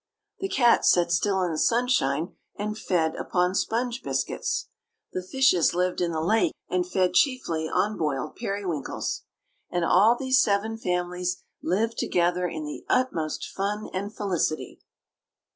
The cats sat still in the sunshine, and fed upon sponge biscuits. The fishes lived in the lake, and fed chiefly on boiled periwinkles. And all these seven families lived together in the utmost fun and felicity.